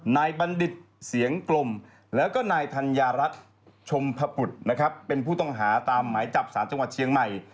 บัณฑิตเสียงกลมแล้วก็นายธัญญารัฐชมพบุตรนะครับเป็นผู้ต้องหาตามหมายจับสารจังหวัดเชียงใหม่